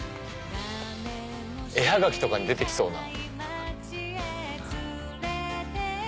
絵はがきとかに出て来そうな。